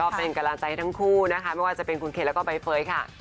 เป็นกำลังใจทั้งคู่นะคะไม่ว่าจะเป็นคุณเคนแล้วก็ใบเฟิร์ยค่ะ